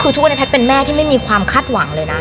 คือทุกวันนี้แพทย์เป็นแม่ที่ไม่มีความคาดหวังเลยนะ